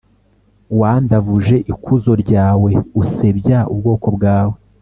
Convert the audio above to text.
Wandavuje ikuzo ryawe, usebya ubwoko bwawe,